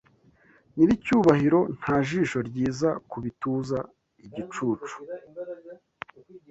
Nyiricyubahiro nta jisho ryiza Kubituza igicucu